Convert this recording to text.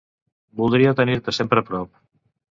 Voldria tenir-te sempre a prop.